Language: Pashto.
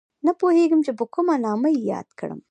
نه پوهېږم چې په کوم نامه یې یاد کړم